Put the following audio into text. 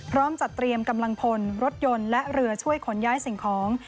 จัดเตรียมกำลังพลรถยนต์และเรือช่วยขนย้ายสิ่งของ